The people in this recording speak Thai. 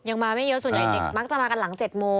มาไม่เยอะส่วนใหญ่เด็กมักจะมากันหลัง๗โมง